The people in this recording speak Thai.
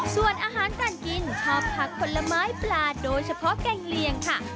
ส่วนอาหารการกินชอบผักผลไม้ปลาโดยเฉพาะแกงเลียงค่ะ